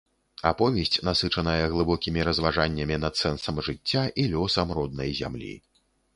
Аповесць насычаная глыбокімі разважаннямі над сэнсам жыцця і лёсам роднай зямлі.